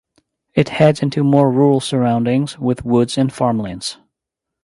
It heads into more rural surroundings with woods and farmlands.